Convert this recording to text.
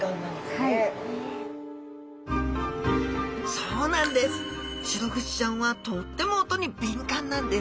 そうなんです！